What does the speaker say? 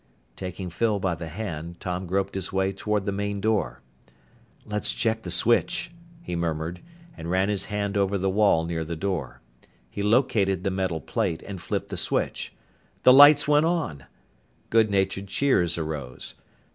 Taking Phyl by the hand, Tom groped his way toward the main door. "Let's check the switch," he murmured, and ran his hand over the wall near the door. He located the metal plate and flipped the switch. The lights went on! Good natured cheers arose.